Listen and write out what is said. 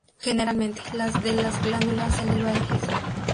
Generalmente las de las glándulas salivales.